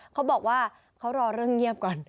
เขาบอกว่าเขารอเรื่องเงียบก่อน